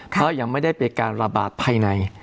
เพราะยังไม่ได้เป็นการระบาดภายใน